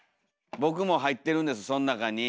僕も入ってるんですその中に。